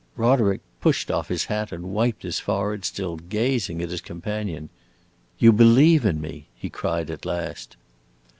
Roderick pushed off his hat and wiped his forehead, still gazing at his companion. "You believe in me!" he cried at last.